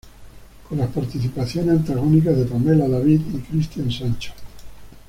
Con las participaciones antagónicas de Pamela David y Christian Sancho.